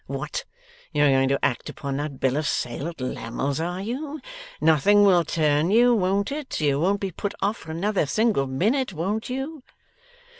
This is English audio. What! You're going to act upon that bill of sale at Lammle's, are you? Nothing will turn you, won't it? You won't be put off for another single minute, won't you?